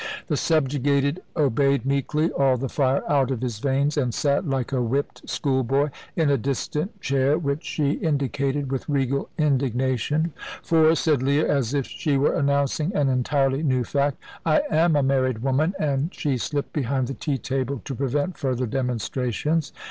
The subjugated obeyed meekly, all the fire out of his veins, and sat like a whipped schoolboy in a distant chair, which she indicated with regal indignation. "For," said Leah, as if she were announcing an entirely new fact, "I am a married woman"; and she slipped behind the tea table to prevent further demonstrations.